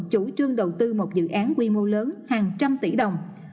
chủ trương đầu tư một dự án quy mô lớn hàng trăm tỷ đồng